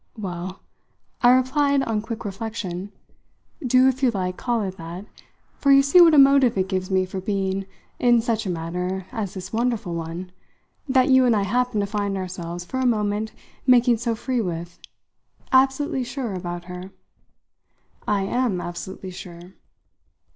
"Well," I replied on quick reflection, "do, if you like, call it that; for you see what a motive it gives me for being, in such a matter as this wonderful one that you and I happened to find ourselves for a moment making so free with, absolutely sure about her. I am absolutely sure.